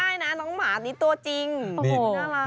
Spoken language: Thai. กินไม่ได้นะน้องหมานี้ตัวจริง